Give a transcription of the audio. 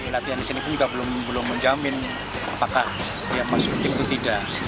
latihan di sini pun juga belum menjamin apakah dia masukin atau tidak